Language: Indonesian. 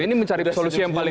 ini mencari solusi yang paling